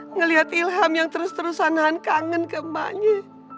ngelihat ilham yang terus terusan kangen ke emaknya